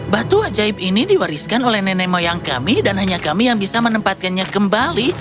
batu ajaib ini diwariskan oleh nenek moyang kami dan hanya kami yang bisa menempatkannya kembali